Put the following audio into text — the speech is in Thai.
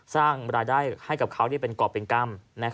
สร้างรายได้ให้กับเขาเป็นกรอบเป็นกรรม